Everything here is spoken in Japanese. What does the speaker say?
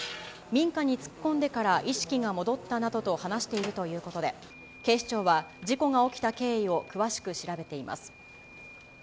民家に突っ込んでから意識が戻ったなどと話しているということで、警視庁は事故が起きた経緯を詳しく調べています。